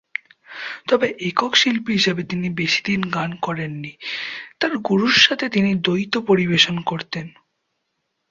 তবে, একক শিল্পী হিসাবে তিনি বেশিদিন গান করেননি, তাঁর গুরুর সাথে তিনি দ্বৈত পরিবেশন করতেন।